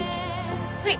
はい。